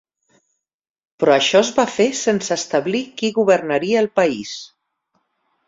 Però això es va fer sense establir qui governaria el país.